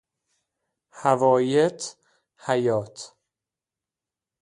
حوایط، حیاط